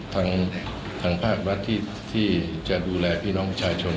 ทางภาครัฐที่จะดูแลพี่น้องประชาชน